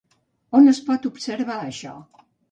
On es pot observar això?